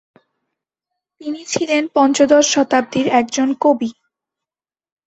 তিনি ছিলেন পঞ্চদশ শতাব্দীর একজন কবি।